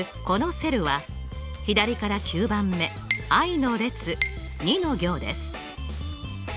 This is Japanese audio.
このセルは左から９番目Ｉの列２の行です。